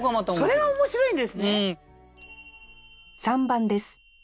それが面白いんですね！